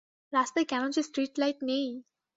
রাস্তায় কেন যে স্ট্রিট-লাইট নেই!